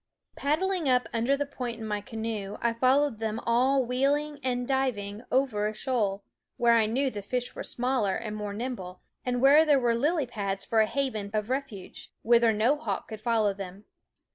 Paddling up under the point in my canoe, I found them all wheeling and diving over a shoal, where I knew the fish were smaller and more nimble, and where there were lily pads for a haven of refuge, whither no hawk could follow them.